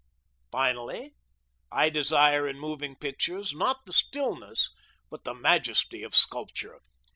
Finally, I desire in moving pictures, not the stillness, but the majesty of sculpture.